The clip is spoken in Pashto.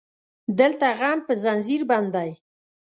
دلته غم په زنځير بند دی